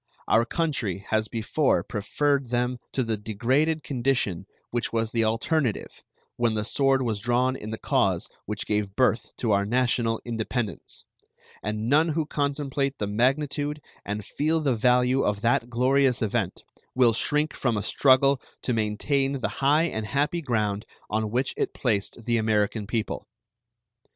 Our country has before preferred them to the degraded condition which was the alternative when the sword was drawn in the cause which gave birth to our national independence, and none who contemplate the magnitude and feel the value of that glorious event will shrink from a struggle to maintain the high and happy ground on which it placed the American people.